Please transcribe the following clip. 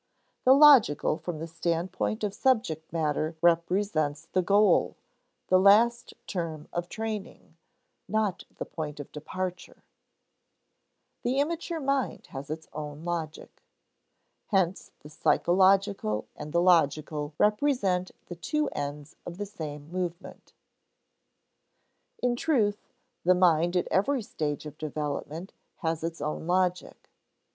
_The logical from the standpoint of subject matter represents the goal, the last term of training, not the point of departure._ [Sidenote: The immature mind has its own logic] [Sidenote: Hence, the psychological and the logical represent the two ends of the same movement] In truth, the mind at every stage of development has its own logic.